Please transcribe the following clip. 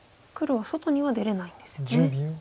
黒は外には出れないんですよね。